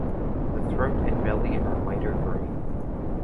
The throat and belly are lighter green.